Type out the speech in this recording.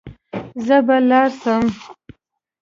زه به لاړ سم.